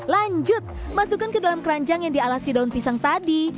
lanjut masukkan ke dalam keranjang yang dialasi daun pisang tadi